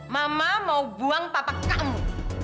mama mau buang papa kamu